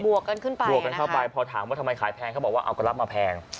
บวกกันเข้าใบพอถามว่าทำไมขายแพงเขาบอกว่าเอากับรับมาแพง